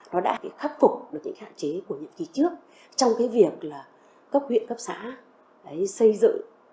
nó đã khắc phục được những hạn chế của những kỳ trước trong việc cấp ủy cấp xã xây dựng